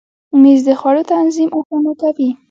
مېز د خوړو تنظیم اسانه کوي.